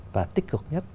và tích cực nhất